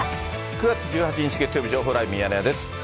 ９月１８日月曜日、情報ライブミヤネ屋です。